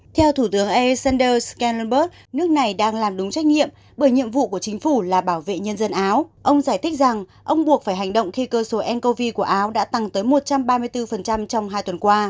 theo thủ tướng ee sander scanlonberg nước này đang làm đúng trách nhiệm bởi nhiệm vụ của chính phủ là bảo vệ nhân dân áo ông giải thích rằng ông buộc phải hành động khi cơ số ncov của áo đã tăng tới một trăm ba mươi bốn trong hai tuần qua